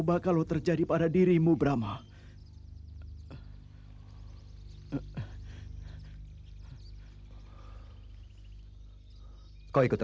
bar quarantine kalau aku karanku